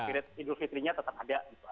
spirit idul fitrinya tetap ada